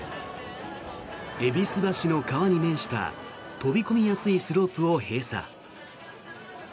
戎橋の川に面した飛び込みやすいスロープを閉鎖。